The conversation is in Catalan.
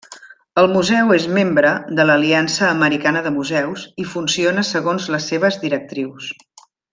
El museu és membre de l'Aliança Americana de Museus i funciona segons les seves directrius.